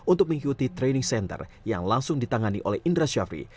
untuk mengikuti training center yang langsung ditangani oleh indra syafri